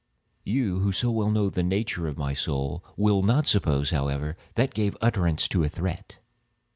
You, who so well know the nature of my soul, will not suppose, however, that I gave utterance to a threat.